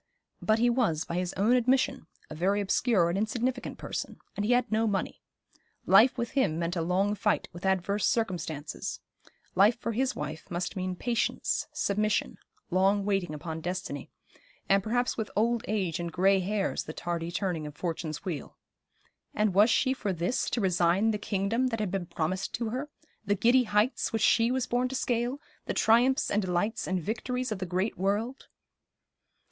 But he was, by his own admission, a very obscure and insignificant person, and he had no money. Life with him meant a long fight with adverse circumstances; life for his wife must mean patience, submission, long waiting upon destiny, and perhaps with old age and grey hairs the tardy turning of Fortune's wheel. And was she for this to resign the kingdom that had been promised to her, the giddy heights which she was born to scale, the triumphs and delights and victories of the great world?